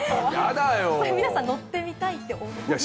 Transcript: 皆さん、乗ってみたいと思いますか？